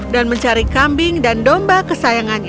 dan mencari kambing dan domba